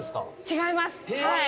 違います。